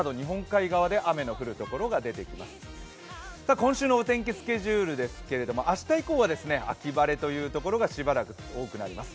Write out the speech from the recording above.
今週のお天気スケジュールですけれども明日以降は秋晴れのところがしばらく多くなります。